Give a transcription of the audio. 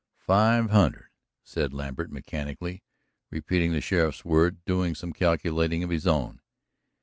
"Five hundred," said Lambert, mechanically repeating the sheriff's words, doing some calculating of his own.